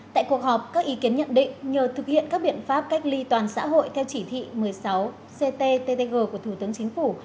tại cuộc họp các ý kiến nhận định nhờ thực hiện các biện pháp cách ly toàn xã hội theo chỉ thị một mươi sáu cttg của thủ tướng chính phủ